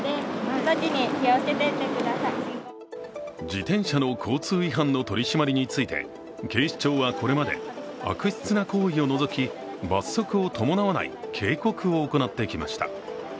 自転車の交通違反の取り締まりについて警視庁はこれまで悪質な行為を除き、罰則を伴わない警告を行ってきました。